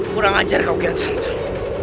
kurang ajar kau kian santang